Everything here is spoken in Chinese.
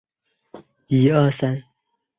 该物种的模式产地在印度洋。